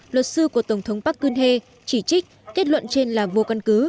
luật sư của tổng thống park geun hye chỉ trích kết luận trên là vô căn cứ